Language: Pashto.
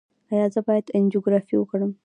ایا زه باید انجیوګرافي وکړم؟